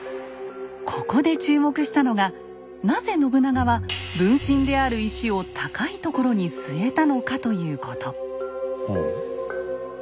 ここで注目したのがなぜ信長は分身である石を高いところにすえたのかということ。